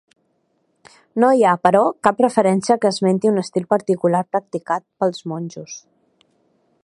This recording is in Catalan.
No hi ha, però, cap referència que esmenti un estil particular practicat pels monjos.